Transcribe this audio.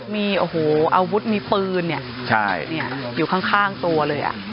มีโอ้โหอาวุธมีปืนอยู่ข้างตัวเลย